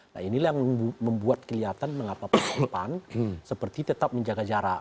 nah inilah yang membuat kelihatan mengapa pan seperti tetap menjaga jarak